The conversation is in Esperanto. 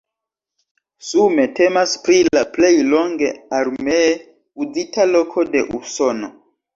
Sume temas pri la plej longe armee uzita loko de Usono.